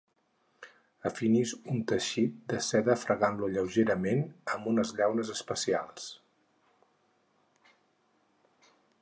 Afinis un teixit de seda fregant-lo lleugerament amb unes llaunes especials.